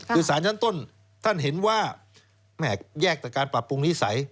คือสารชั้นต้นท่านเห็นว่าแม่แยกแต่การปรับปรุงนิสัย